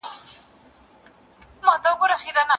چي ملا كړ ځان تيار د جگړې لور ته